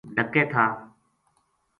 ڈَکے تھا